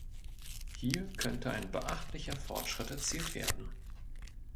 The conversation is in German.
Hier könnte ein beachtlicher Fortschritt erzielt werden.